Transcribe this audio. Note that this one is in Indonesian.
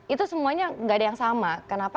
itu semuanya gak ada yang sama kenapa